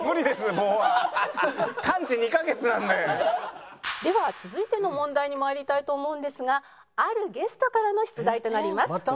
では続いての問題に参りたいと思うんですがあるゲストからの出題となります。